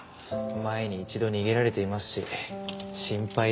前に一度逃げられていますし心配ですよね。